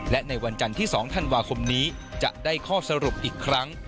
และในวันจันทร์ที่๒ธันวาคมนี้จะได้ข้อสรุปอีกครั้ง